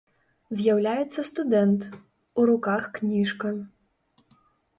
З'яўляецца студэнт, у руках кніжка.